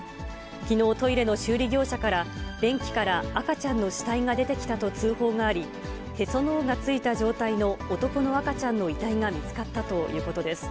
きのう、トイレの修理業者から、便器から赤ちゃんの死体が出てきたと通報があり、へその緒がついた状態の男の赤ちゃんの遺体が見つかったということです。